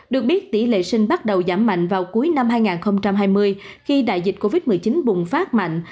được biết tỷ lệ sinh bắt đầu giảm mạnh vào cuối năm hai nghìn hai mươi khi đại dịch covid một mươi chín bùng phát mạnh